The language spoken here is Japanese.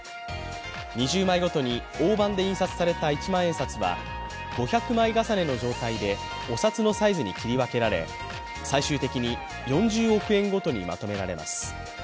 ２０枚ごとに大判で印刷された一万円札は５００枚重ねの状態でお札のサイズに切り分けられ、最終的に４０億円ごとにまとめられます。